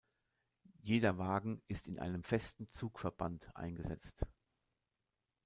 Jeder Wagen ist in einem festen Zugverband eingesetzt.